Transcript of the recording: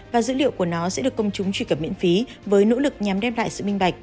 và dữ liệu của nó sẽ được công chúng truy cập miễn phí với nỗ lực nhằm đem lại sự minh bạch